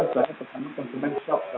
terkait dengan konsumen shock